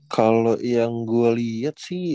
kalau yang gue lihat sih